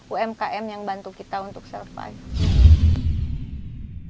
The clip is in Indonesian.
umkm yang bantu kita untuk survive